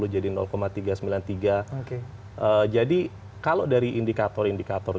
empat puluh jadi tiga ratus sembilan puluh tiga oke jadi kalau dari indikator indikatornya